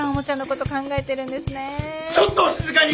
ちょっとお静かに！